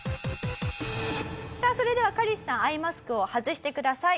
さあそれではカリスさんアイマスクを外してください。